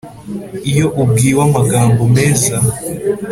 iyo ubwiwe amagambo meza